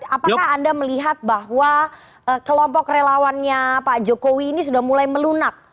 apakah anda melihat bahwa kelompok relawannya pak jokowi ini sudah mulai melunak